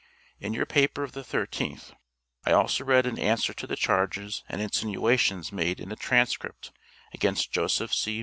In your paper of the 13th ult., I also read an answer to the charges and insinuations made in the "Transcript," against Joseph C.